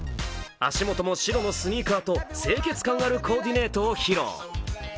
足元も白のスニーカーと清潔感のあるコーディネートを披露。